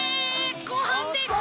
ごはんでした！